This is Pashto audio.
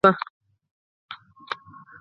دوی ته د الماسو د استخراج اجازه ورکړل شوه.